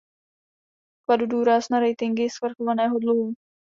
Kladu důraz na ratingy svrchovaného dluhu.